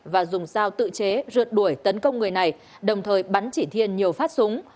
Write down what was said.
và dùng sao tự chế rượt đuổi tấn công người này đồng thời bắn chỉ thiên nhiều phát súng